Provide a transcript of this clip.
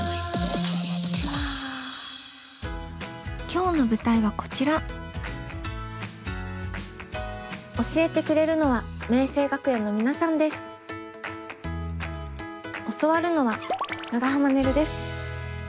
今日の舞台はこちら教えてくれるのは教わるのは長濱ねるです。